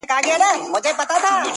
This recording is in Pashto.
په پای کي شپږمه ورځ هم بې پايلې تېريږي,